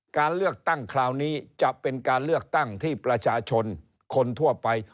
การเลือกตั้งคราวนี้จะเป็นการเลือกตั้งที่ประชาชนคนทั่วไป